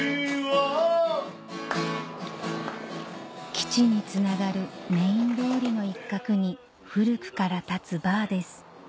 基地につながるメイン通りの一角に古くから立つバーです